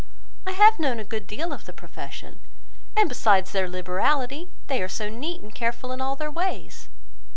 I have known a good deal of the profession; and besides their liberality, they are so neat and careful in all their ways!